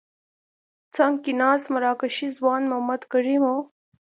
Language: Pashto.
څنګ کې ناست مراکشي ځوان محمد کریم وو.